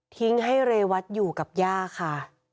ทิ้งให้เรวัตอยู่กับย่าค่ะ